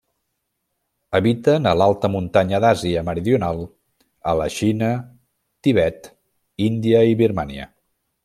Habiten a l'alta muntanya d'Àsia meridional, a la Xina, Tibet, Índia i Birmània.